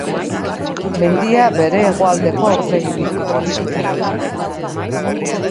Mendia, bere hegoaldeko aurpegitik igotzen da.